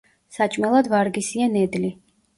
საჭმელად ვარგისია ნედლი.